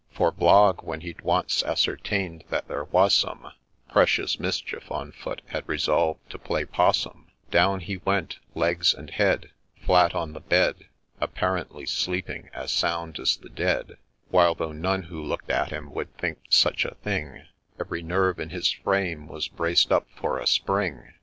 PETERS'S STORY For Blogg, when he'd once ascertain'd that there was some ' Precious mischief ' on foot, had resolv'd to play ' 'Possum ;'— Down he went, legs and head, Flat on the bed, Apparently sleeping as sound as the dead ; While, though none who look'd at him would think such a thing, Every nerve in his frame was braced up for a spring.